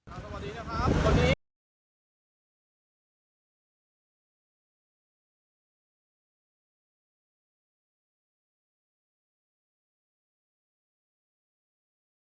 โปรดติดตามตอนต่อไป